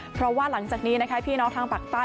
เพราะว่าหลังจากนี้นะคะพี่น้องทางปากใต้